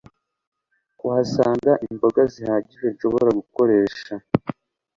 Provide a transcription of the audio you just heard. kuhasanga imboga zihagije nshobora gukoresha